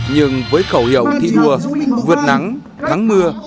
nhưng với khẩu hiệu thi đua vượt nắng thắng mưa